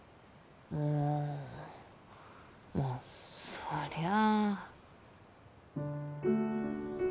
んあまあそりゃあ